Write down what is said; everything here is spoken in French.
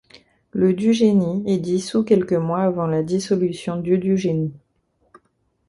Le du génie est dissous quelques mois avant la dissolution du du génie.